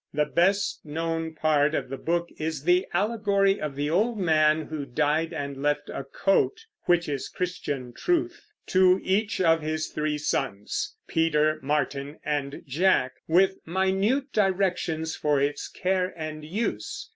The best known part of the book is the allegory of the old man who died and left a coat (which is Christian Truth) to each of his three sons, Peter, Martin, and Jack, with minute directions for its care and use.